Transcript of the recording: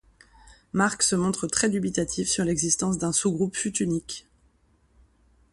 Marck se montre très dubitatif sur l'existence d'un sous- groupe futunique.